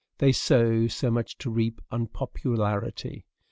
They sow so much to reap unpopularity!